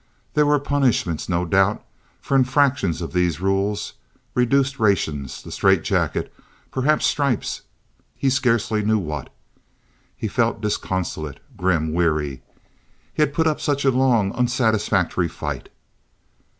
There were punishments, no doubt, for infractions of these rules—reduced rations, the strait jacket, perhaps stripes—he scarcely knew what. He felt disconsolate, grim, weary. He had put up such a long, unsatisfactory fight.